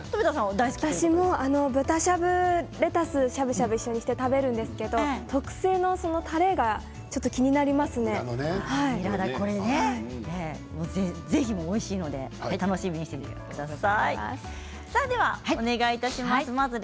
私も、豚しゃぶレタスをしゃぶしゃぶして食べるんですけど、特製のタレがこれね、ぜひおいしいので楽しみにしていてください。